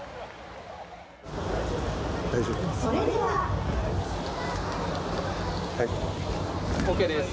大丈夫？ＯＫです。